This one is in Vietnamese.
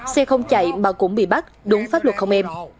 xe không chạy mà cũng bị bắt đúng pháp luật không em